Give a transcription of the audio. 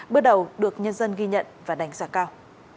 bước đầu được nhân dân ghi nhận và đánh giá cao